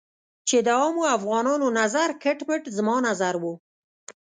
چې د عامو افغانانو نظر کټ مټ زما نظر و.